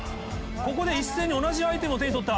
ここで一斉に同じアイテムを手に取った。